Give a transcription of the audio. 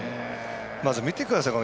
まず、見てください。